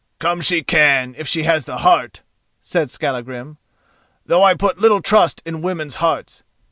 "Come she can, if she has the heart," said Skallagrim, "though I put little trust in women's hearts.